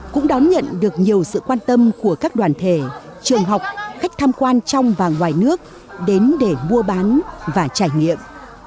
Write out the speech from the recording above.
cũng đón nhận được nhiều sự quan tâm của các đoàn thể trường học khách tham quan trong và ngoài nước đến để mua bán và trải nghiệm